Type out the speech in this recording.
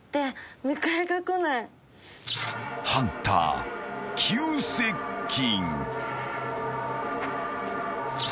［ハンター急接近］